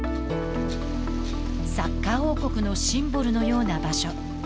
サッカー王国のシンボルのような場所。